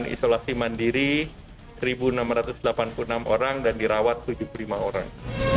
dan isolasi mandiri satu enam ratus delapan puluh enam orang dan dirawat tujuh puluh lima orang